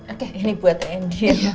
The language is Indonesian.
oke ini buat andi